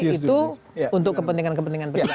kecuali itu untuk kepentingan kepentingan pendanaan